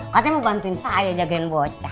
katanya mau bantuin saya jagain bocah